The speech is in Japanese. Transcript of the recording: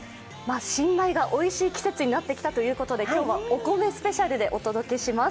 新米がおいしい季節になってきたということで、今日はお米スペシャルでお届けします。